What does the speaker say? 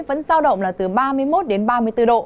vẫn giao động là từ ba mươi một đến ba mươi bốn độ